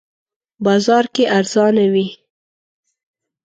بازار کې ارزانه وی